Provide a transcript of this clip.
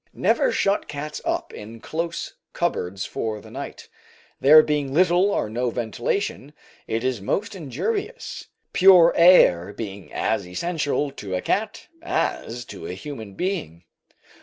Never shut cats up in close cupboards for the night, there being little or no ventilation; it is most injurious, pure air being as essential to a cat as to a human being.